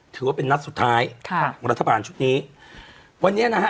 ถือว่าเป็นนัดสุดท้ายค่ะของรัฐบาลชุดนี้วันนี้นะฮะ